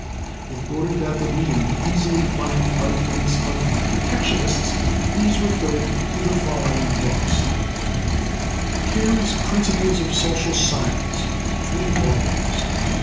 In order that the reader may easily find the arguments of the protectionists, he is referred to the following books: Carey's "Principles of Social Science" (3 vols.).